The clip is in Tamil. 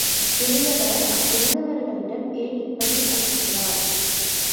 பெரியவர், அங்கிருந்தவர்களிடம் ஏன் இப்படி அடிக்கிறார்?